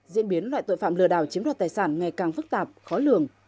diễn biến loại tội phạm lừa đảo chiếm đoạt tài sản ngày càng phức tạp khó lường